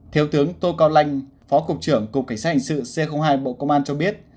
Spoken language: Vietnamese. thiếu tướng tô cao lanh phó cục trưởng cục cảnh sát hình sự c hai bộ công an cho biết